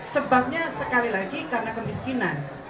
sebabnya sekali lagi karena kemiskinan